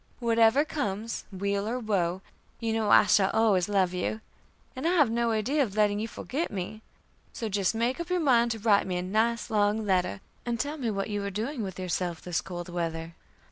Whatever comes, 'weal or woe,' you know I shall always love you, and I have no idea of letting you forget me; so just make up your mind to write me a nice long letter, and tell me what you are doing with yourself this cold weather.